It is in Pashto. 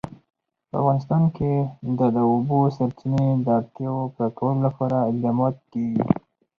په افغانستان کې د د اوبو سرچینې د اړتیاوو پوره کولو لپاره اقدامات کېږي.